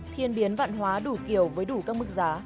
thiên biến văn hóa đủ kiểu với đủ các mức giá